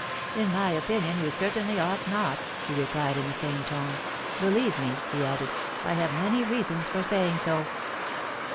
" In my opinion you certainly ought not," he replied in the same tone. " Believe me," he added " I have many rea sons for saying so."